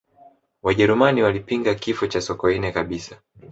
wajerumani walipinga kifo cha sokoine kabisa